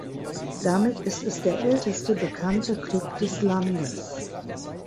Damit ist es der älteste bekannte Klub des Landes.